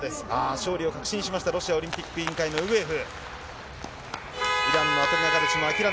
勝利を確信しました、ロシアオリンピック委員会のウグエフ。